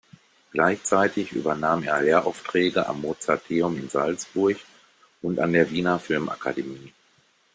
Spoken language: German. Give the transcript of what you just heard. Gleichzeitig übernahm er Lehraufträge am Mozarteum in Salzburg und an der Wiener Filmakademie.